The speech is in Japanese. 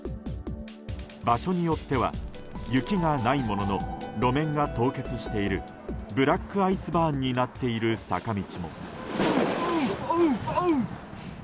場所によっては雪がないものの路面が凍結しているブラックアイスバーンになっている坂道も。